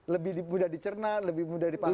lebih mudah dicerna lebih mudah dipahami